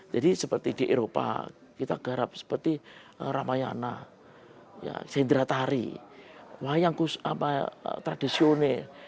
jadi seperti di eropa kita garap seperti ramayana sendiratari wayang tradisional